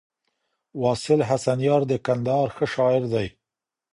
واصل حسنیار د کندهار ښه شاعر دی